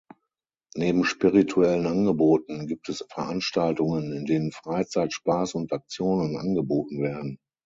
Neben spirituellen Angeboten gibt es Veranstaltungen, in denen Freizeit, Spaß und Aktionen angeboten werden.